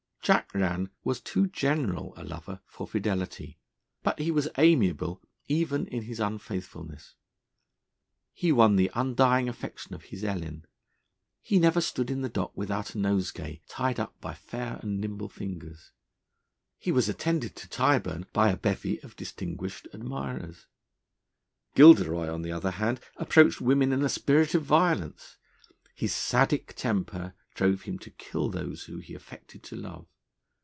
Jack Rann was too general a lover for fidelity. But he was amiable, even in his unfaithfulness; he won the undying affection of his Ellen; he never stood in the dock without a nosegay tied up by fair and nimble fingers; he was attended to Tyburn by a bevy of distinguished admirers. Gilderoy, on the other hand, approached women in a spirit of violence. His Sadic temper drove him to kill those whom he affected to love.